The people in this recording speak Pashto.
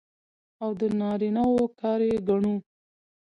او د نارينه وو کار يې ګڼو.